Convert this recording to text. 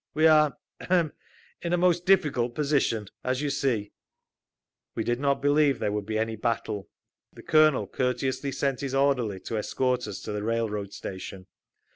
We are—ahem—in a most difficult position, as you see…." We did not believe that there would be any battle…. The Colonel courteously sent his orderly to escort us to the railroad station.